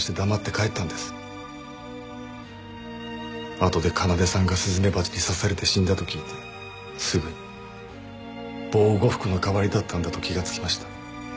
あとで奏さんがスズメバチに刺されて死んだと聞いてすぐに防護服の代わりだったんだと気がつきました。